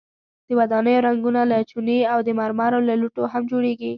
د ودانیو رنګونه له چونې او د مرمرو له لوټو هم جوړیږي.